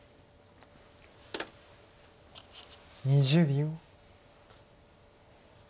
２０秒。